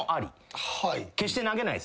決して投げないですよ？